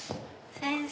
先生！